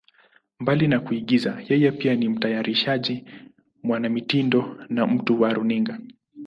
Mbali na kuigiza, yeye pia ni mtayarishaji, mwanamitindo na mtu wa runinga.